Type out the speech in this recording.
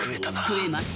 食えます。